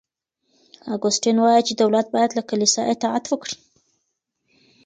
اګوستين وايي چي دولت بايد له کليسا اطاعت وکړي.